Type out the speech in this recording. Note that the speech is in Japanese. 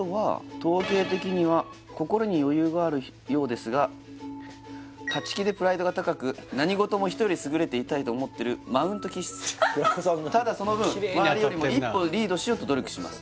統計的には心に余裕があるようですが勝ち気でプライドが高く何事も人より優れていたいと思ってるマウント気質きれいに当たってんなただその分周りよりも一歩リードしようと努力します